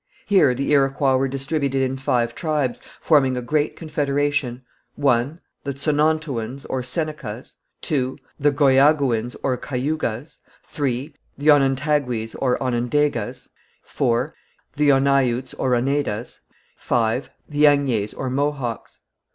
Here the Iroquois were distributed in five tribes, forming a great confederation. (1.) The Tsonnontouans or Senecas. (2.) The Goyogouins or Cayugas. (3.) The Onontagues or Onondagas. (4.) The Onneyouts or Oneidas. (5.) The Agniers or Mohawks.